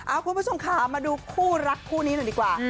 คุณผู้ชมค่ะมาดูคู่รักคู่นี้หน่อยดีกว่า